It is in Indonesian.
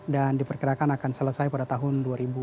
dan diperkirakan akan selesai pada tahun dua ribu empat puluh satu